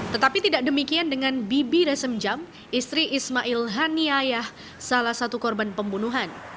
tetapi tidak demikian dengan bibi rasem jam istri ismail haniayah salah satu korban pembunuhan